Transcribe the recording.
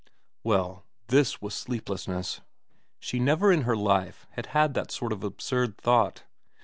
Well, this was sleeplessness. She never in her life had had that sort of absurd thought.